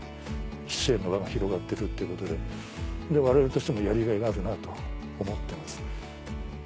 支援の輪が広がってるっていうことで我々としてもやりがいがあるなと思ってます。